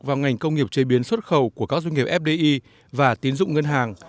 vào ngành công nghiệp chế biến xuất khẩu của các doanh nghiệp fdi và tín dụng ngân hàng